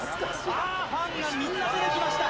あー、ファンが道に出てきました。